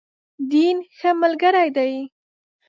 دین، ښه ملګری دی.